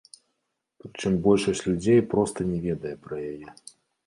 Прычым большасць людзей проста не ведае пра яе.